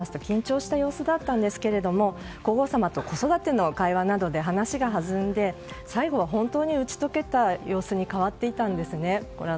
メラニア夫人は最初、表情を見ますと緊張した様子だったんですけれど皇后さまと子育ての会話などで話がはずんで最後は本当に打ち解けた様子に変わっていたんです。